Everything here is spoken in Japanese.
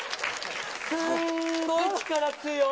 すっごい力強い。